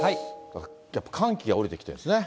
やっぱ寒気が降りてきてるんですね。